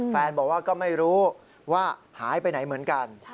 แฟนบอกว่าก็ไม่รู้ว่าหายไปไหนเหมือนกัน